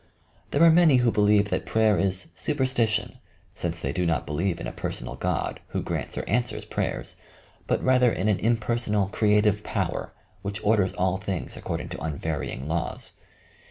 There are many who believe that prayer is "supersti tion" since they do not believe in a personal God, who grants or answers prayers, but rather in an impersonal, "Creative Power," which orders all things aecording to unvarying laws.